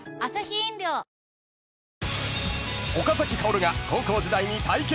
［岡崎郁が高校時代に体験］